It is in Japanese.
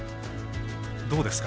どうですか？